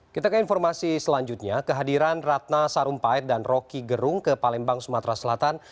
kita ke informasi selanjutnya kehadiran ratna sarumpait dan roky gerung ke palembang sumatera selatan